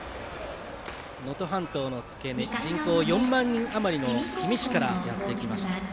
能登半島の付け根人口４万人余りの氷見市からやってまいりました。